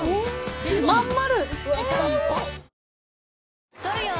真ん丸。